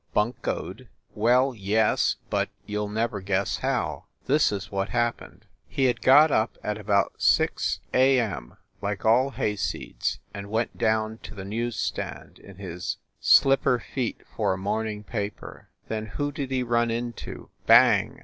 Buncoed? Well, yes, but you ll never guess how. This is what hap pened. He had got up at about 6 q. m. like all hayseeds, and went down to the news stand in his slipper feet for a morning paper. Then who did he run into, bang